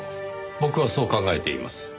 僕はそう考えています。